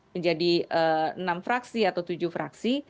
menjadi enam fraksi atau tujuh fraksi